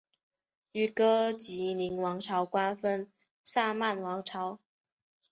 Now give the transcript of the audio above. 与哥疾宁王朝瓜分萨曼王朝。